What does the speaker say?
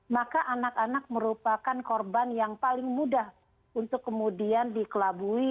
maka anak anak merupakan korban yang paling mudah untuk kemudian dikelabui